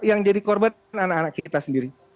yang jadi korban anak anak kita sendiri